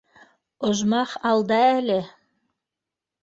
— Ожмах алда әле